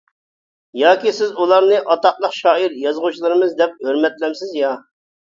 ياكى سىز ئۇلارنى ئاتاقلىق شائىر يازغۇچىلىرىمىز دەپ ھۆرمەتلەمسىز يا.